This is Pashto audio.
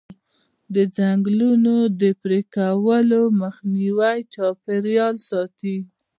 د ځنګلونو د پرې کولو مخنیوی چاپیریال ساتي.